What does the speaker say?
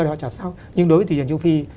thì họ trả sau nhưng đối với thị trường châu phi